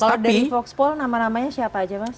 kalau dari voxpol nama namanya siapa aja mas